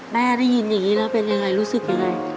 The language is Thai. ได้ยินอย่างนี้แล้วเป็นยังไงรู้สึกยังไง